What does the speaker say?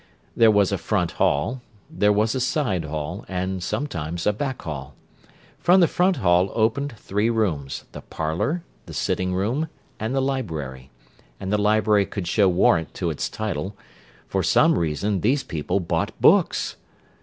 There was a "front hall"; there was a "side hall"; and sometimes a "back hall." From the "front hall" opened three rooms, the "parlour," the "sitting room," and the "library"; and the library could show warrant to its title—for some reason these people bought books.